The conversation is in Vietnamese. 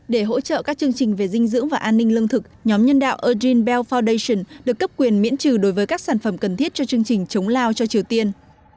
để hỗ trợ các chương trình về dinh dưỡng và an ninh lương thực nhóm nhân đạo eugen bell foundation được cấp quyền miễn trừ đối với các sản phẩm cần thiết cho chương trình chống lao cho triều tiên